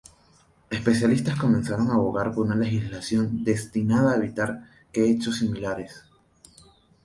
Especialistas comenzaron a abogar por una legislación destinada a evitar que hechos similares.